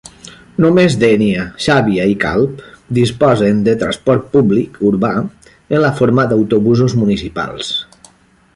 Només Dénia, Xàbia i Calp disposen de transport públic urbà, en la forma d'autobusos municipals.